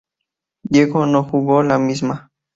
Diego no jugó la misma.